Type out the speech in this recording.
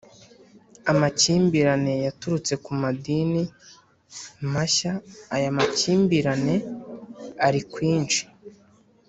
amakimbirane yaturutse ku madini mashya aya makimbirane ari kwinshi.